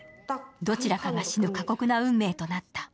どちらかが死の過酷な運命となった。